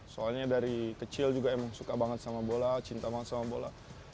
soalnya dari kecil juga emang suka banget sama bola cinta banget sama bola